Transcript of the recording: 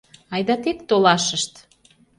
Айда тек толашышт.